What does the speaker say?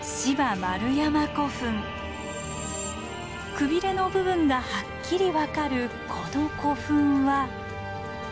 くびれの部分がはっきり分かるこの古墳は。